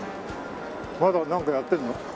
まだなんかやってるの？